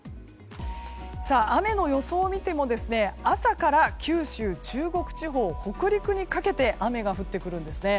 雨の予想を見ても朝から九州、中国地方北陸にかけて雨が降ってくるんですね。